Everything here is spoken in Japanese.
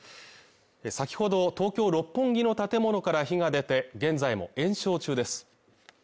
先ほど東京六本木の建物から火が出て現在も延焼中です